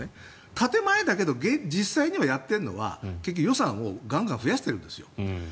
建前だけど実際には、やってるのは結局、予算をガンガン増やしてるんですよ。